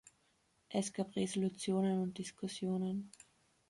Es gab Resolutionen und Diskussionen.